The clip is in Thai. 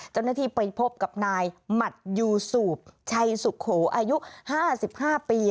เจ้าหน้าที่ไปพบกับนายหมัดยูสูบชัยสุโขอายุ๕๕ปี